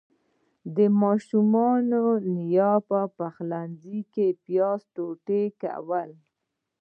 د ماشومانو نيا په پخلنځي کې پياز ټوټه کول.